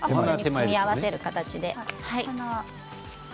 組み合わせる形で。